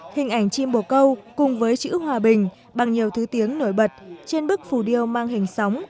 hình ảnh chim bồ câu cùng với chữ hòa bình bằng nhiều thứ tiếng nổi bật trên bức phù điêu mang hình sóng